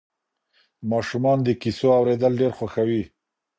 ماشومان د کیسو اورېدل ډېر خوښوي.